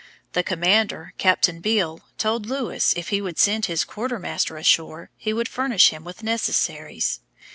The commander, Captain Beal, told Lewis, if he would send his quarter master ashore he would furnish him with necessaries.